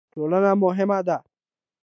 ټولنه مهمه ده.